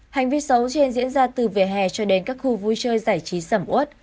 hành vi xấu trên diễn ra từ về hè cho đến các khu vui chơi giải trí sẩm út